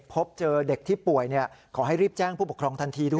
พบเจอเด็กที่ป่วยขอให้รีบแจ้งผู้ปกครองทันทีด้วย